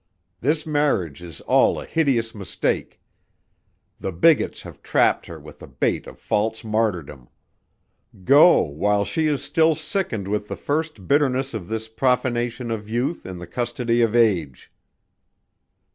This marriage is all a hideous mistake. The bigots have trapped her with a bait of false martyrdom. Go while she is still sickened with the first bitterness of this profanation of youth in the custody of age."